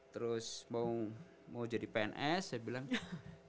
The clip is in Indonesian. terus mau jadi pns saya bilang